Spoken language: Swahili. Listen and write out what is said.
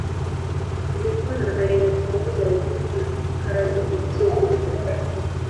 Kulikuwa na aina tofauti za utumwa na kazi isiyo huru katika Afrika.